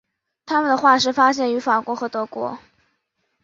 它们的化石发现于法国和德国。